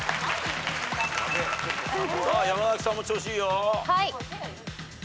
山崎さんも調子いいよ。